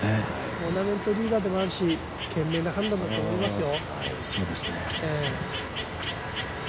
トーナメントリーダーでもあるし賢明な判断だと思いますよ